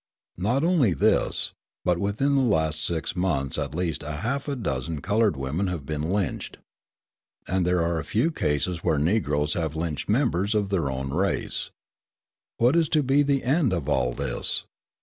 Not only this, but within the last six years at least a half dozen coloured women have been lynched. And there are a few cases where Negroes have lynched members of their own race. What is to be the end of all this?